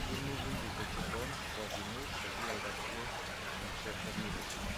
Un núvol de xicons quasi nus seguia el barquer amb certa admiració.